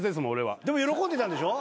でも喜んでたんでしょ？